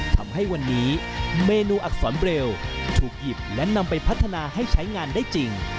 ทำให้วันนี้เมนูอักษรเบลถูกหยิบและนำไปพัฒนาให้ใช้งานได้จริง